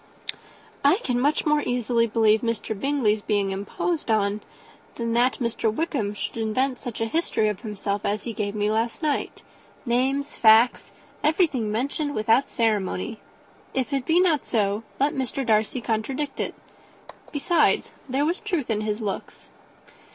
"I can much more easily believe Mr. Bingley's being imposed on than that Mr. Wickham should invent such a history of himself as he gave me last night; names, facts, everything mentioned without ceremony. If it be not so, let Mr. Darcy contradict it. Besides, there was truth in his looks."